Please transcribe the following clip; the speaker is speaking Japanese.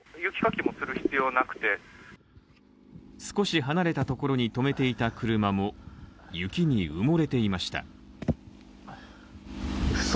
少し離れたところに止めていた車も雪に埋もれていました。